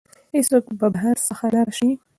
هیڅوک به بهر څخه را نه شي.